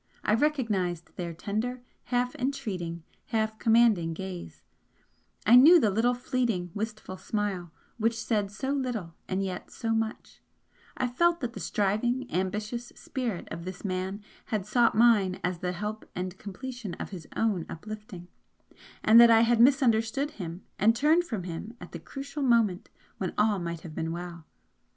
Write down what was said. I recognised their tender, half entreating, half commanding gaze, I knew the little fleeting, wistful smile which said so little and yet so much I felt that the striving, ambitious spirit of this man had sought mine as the help and completion of his own uplifting, and that I had misunderstood him and turned from him at the crucial moment when all might have been well.